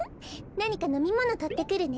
なにかのみものとってくるね。